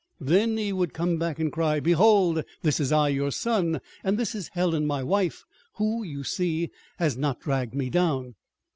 Then he would come back and cry: "Behold, this is I, your son, and this is Helen, my wife, who, you see, has not dragged me down!"